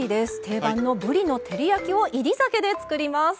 定番のぶりの照り焼きを煎り酒で作ります。